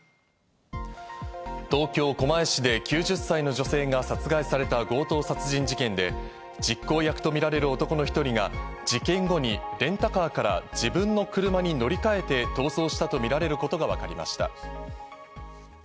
東京・狛江市で９０歳の女性が殺害された強盗殺人事件で、実行役とみられる男の１人が、事件後にレンタカーから自分の車に乗り換えて逃走したとみられることがわかりました。